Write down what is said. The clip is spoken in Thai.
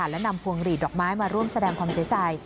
และนำพวงหลีดดอกไม้มาร่วมแสดงความเสียใจ